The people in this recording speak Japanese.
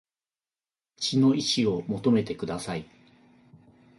血の遺志を求めてください